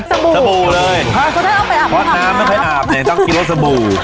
สบู่เลยต้องกินรสสบู่